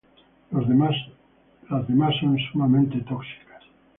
Las demás son sumamente tóxicas.